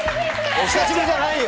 お久しぶりじゃないよ！